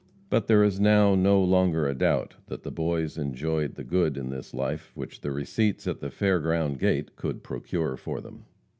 But there is now no longer a doubt that the Boys enjoyed the good in this life which the receipts at the fair ground gate could procure for them.